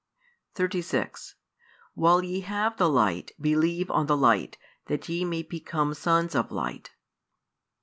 36 While ye have the Light, believe on the Light, that ye may become sons of Light.